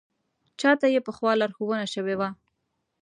چا ته چې پخوا لارښوونه شوې وه.